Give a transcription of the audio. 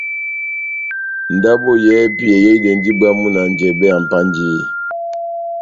Ndabo yɛ́hɛ́pi eyehidɛndi bwámu na njɛbɛ ya Mpanjiyi.